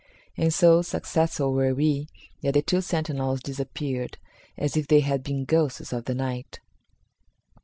And so successful were we that the two sentinels disappeared as if they had been ghosts of the night.